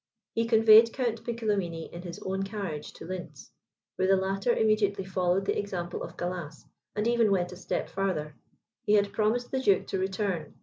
He conveyed Count Piccolomini in his own carriage to Lintz, where the latter immediately followed the example of Gallas, and even went a step farther. He had promised the duke to return.